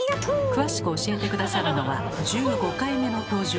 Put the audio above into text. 詳しく教えて下さるのは１５回目の登場。